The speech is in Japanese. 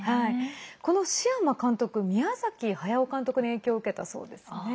このシアマ監督、宮崎駿監督に影響を受けたそうですね。